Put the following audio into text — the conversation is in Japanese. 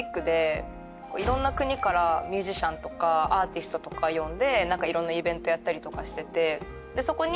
いろんな国からミュージシャンとかアーティストとか呼んでいろんなイベントやったりとかしてて。